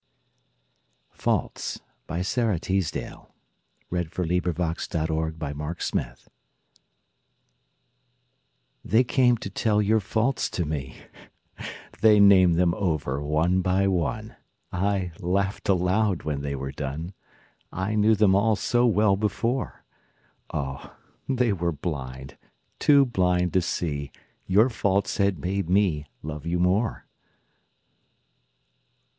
not at all, I owe the open gate That led through heaven's wall. Faults They came to tell your faults to me, They named them over one by one; I laughed aloud when they were done, I knew them all so well before, Oh, they were blind, too blind to see Your faults had made me love you more.